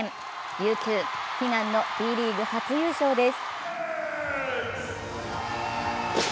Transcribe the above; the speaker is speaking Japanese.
琉球、悲願のＢリーグ初優勝です。